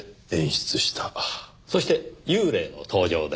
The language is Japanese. そして幽霊の登場です。